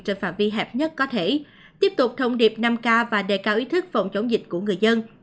trên phạm vi hẹp nhất có thể tiếp tục thông điệp năm k và đề cao ý thức phòng chống dịch của người dân